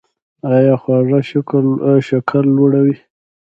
ایا خواږه شکر لوړوي؟